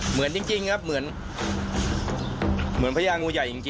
เหมือนจริงครับเหมือน